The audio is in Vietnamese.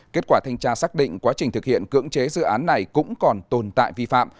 kết quả thanh tra xác định quá trình thực hiện cưỡng chế dự án này cũng còn tồn tại vi phạm